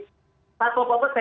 tentu saja pp nggak didengarkan